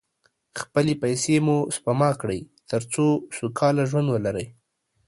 خپلې پیسې مو سپما کړئ، تر څو سوکاله ژوند ولرئ.